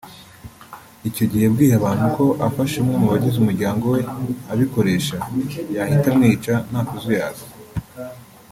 icyo gihe yabwiye abantu ko afashe umwe mu bagize umuryango we abikoresha yahita amwica nta kuzuyaza